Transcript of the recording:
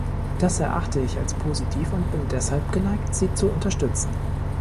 Das erachte ich als positiv und bin deshalb geneigt, sie zu unterstützen.